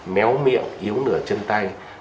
méo miệng yếu nửa chân tay